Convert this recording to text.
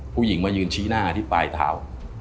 ผู้หญิงมายืนชี้หน้าที่ปลายเท้า